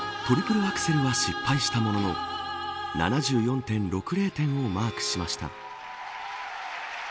トリプルアクセルは失敗したものの７４．６０点をマークしました。